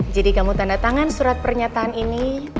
jadi kamu tanda tangan surat pernyataan ini